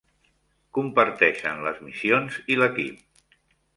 Comparteixen les missions i l'equip.